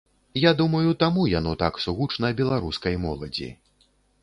Я думаю, таму яно так сугучна беларускай моладзі.